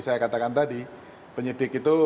saya katakan tadi penyidik itu